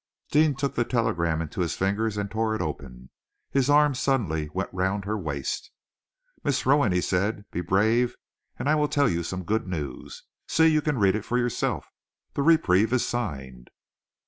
Deane took the telegram into his fingers and tore it open. His arm suddenly went round her waist. "Miss Rowan," he said, "be brave and I will tell you some good news. See, you can read it for yourself. The reprieve is signed."